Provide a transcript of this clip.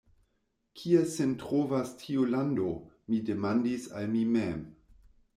Kie sin trovas tiu lando? mi demandis al mi mem.